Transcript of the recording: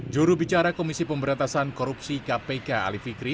juru bicara komisi pemberantasan korupsi kpk ali fikri